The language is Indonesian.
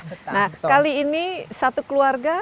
nah kali ini satu keluarga